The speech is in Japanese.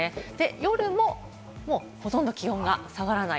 夜もほとんど気温が下がらない。